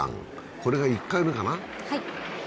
これが１回目かな。